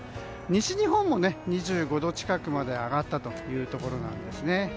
西日本も２５度近くまで上がったというところなんですね。